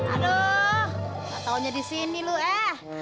aduh katanya di sini lu eh